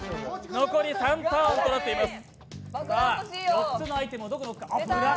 残り３ターンとなっています。